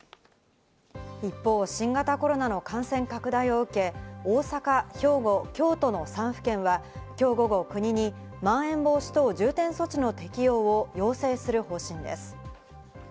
一方、新型コロナの感染拡大を受け、大阪、兵庫、京都の３府県は今日午後、国にまん延防止等重点措置の適用を要請する方針です。